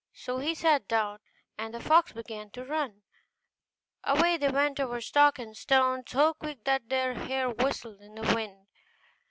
So he sat down, and the fox began to run, and away they went over stock and stone so quick that their hair whistled in the wind.